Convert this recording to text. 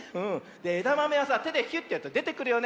えだまめはさてでヒュッとやるとでてくるよね。